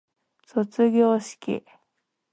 卒業式